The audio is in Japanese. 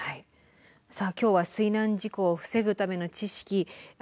さあ今日は水難事故を防ぐための知識知って頂きました。